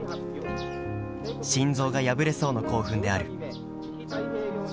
心臓が破れそうな興奮である」。